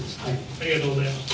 ありがとうございます。